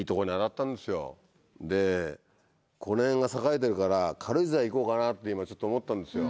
でこの辺が栄えてるから軽井沢へ行こうかなって今ちょっと思ったんですよ。